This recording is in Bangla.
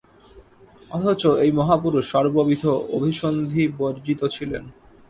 অথচ এই মহাপুরষ সর্ববিধ অভিসন্ধিবর্জিত ছিলেন।